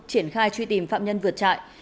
triển khai truy tìm phạm nhân vượt trại